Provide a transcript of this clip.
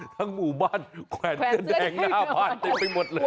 หมู่บ้านแขวนเสื้อแดงหน้าบ้านเต็มไปหมดเลย